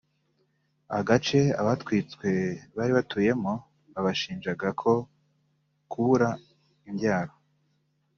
Agace abatwitswe bari batuyemo babashinjaga ko kubura imbyaro